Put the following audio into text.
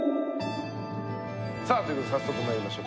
さあということで早速まいりましょう。